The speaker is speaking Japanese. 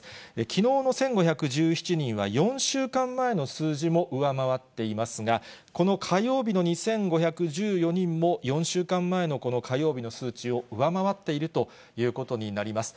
きのうの１５１７人は４週間前の数字も上回っていますが、この火曜日の２５１４人も、４週間前のこの火曜日の数値を上回っているということになります。